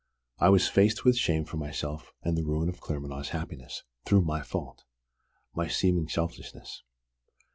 I was faced with shame for myself and the ruin of Claremanagh's happiness through my fault my seeming selfishness.